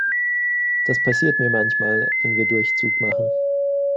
Das passiert mir manchmal, wenn wir Durchzug machen.